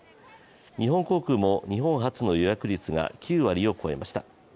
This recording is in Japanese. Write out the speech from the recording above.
日本航空も日本発の予約率が９割を超えました。